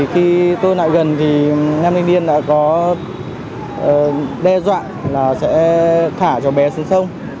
khi tôi lại gần thì nam linh điên đã có đe dọa là sẽ thả cho bé xuống sông